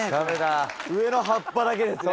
上の葉っぱだけですね。